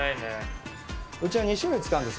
うちは２種類使うんですよ。